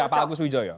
ya pak agus widjoyo